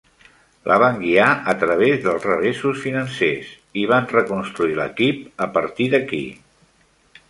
La van guiar a través dels revessos financers, i van reconstruir l'equip a partir d'aquí.